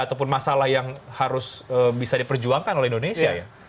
ataupun masalah yang harus bisa diperjuangkan oleh indonesia ya